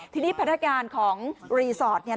ทีนี้พันธการของรีสอร์ทเนี่ย